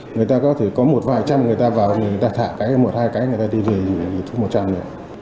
người ta có thể có một vài trăm người ta vào thì người ta thả cái một hai cái người ta đi về thu một trăm linh được